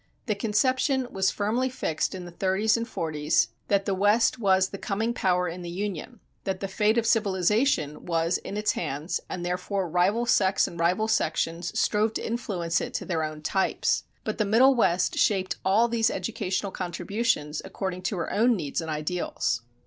The conception was firmly fixed in the thirties and forties that the West was the coming power in the Union, that the fate of civilization was in its hands, and therefore rival sects and rival sections strove to influence it to their own types. But the Middle West shaped all these educational contributions according to her own needs and ideals.